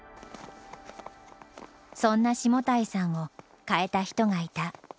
そんな下平さんを変えた人がいた。